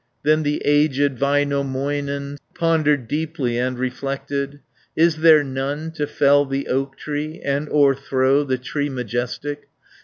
Then the aged Väinämöinen, Pondered deeply and reflected, 90 "Is there none to fell the oak tree, And o'erthrow the tree majestic?